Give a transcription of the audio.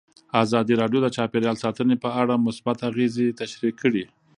ازادي راډیو د چاپیریال ساتنه په اړه مثبت اغېزې تشریح کړي.